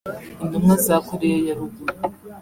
Intumwa za Korea ya Ruguru